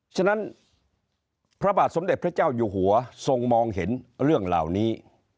ฉะนั้นพระบาทสมเด็จพระเจ้าอยู่หัวทรงมองเห็นเรื่องเหล่านี้